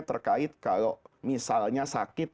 terkait kalau sakit